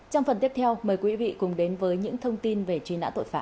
trong phần tiếp theo mời quý vị cùng đến với những thông tin về truy nã tội phạm